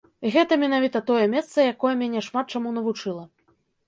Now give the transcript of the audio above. І гэта менавіта тое месца, якое мяне шмат чаму навучыла.